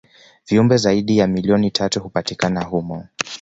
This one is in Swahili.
viumbe zaidi ya milioni tatu hupatikana humo